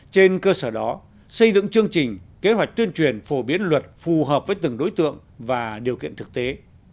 trên cơ sở đó xây dựng chương trình kế hoạch tuyên truyền phổ biến luật phù hợp với từng đối tượng và điều kiện thực tế